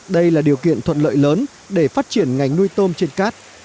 đây là điều kiện thuận lợi lớn để phát triển ngành nuôi tôm trên cát